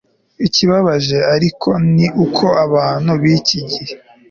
Ikibabaje ariko ni uko abantu biki gihe